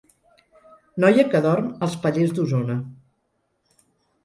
Noia que dorm als pallers d'Osona.